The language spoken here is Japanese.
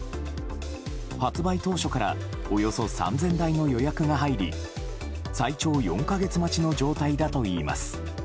発売当初からおよそ３０００台の予約が入り最長４か月待ちの状態だといいます。